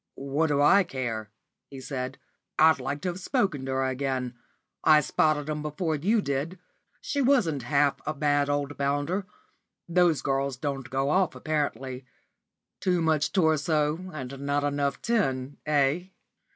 "What do I care?" he said. "I'd like to have spoken to her again. I spotted 'em before you did. She wasn't half a bad old bounder. Those gals don't go off apparently; too much torso and not enough tin, eh?"